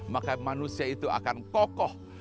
maka manusia itu akan kokoh